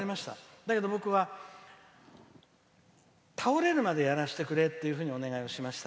だけど、僕は倒れるまでやらせてくれってお願いをしました。